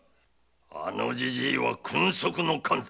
あのじじいは「君側の奸」だ。